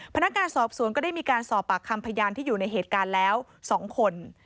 พนักงานสอบสวนก็ได้มีการสอบปากคำพยานที่อยู่ในเหตุการณ์แล้ว๒คน